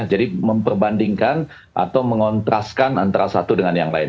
jadi memperbandingkan atau mengontraskan antara satu dengan yang lain